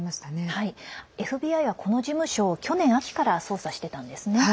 はい、ＦＢＩはこの事務所を去年秋から捜査してたんですね。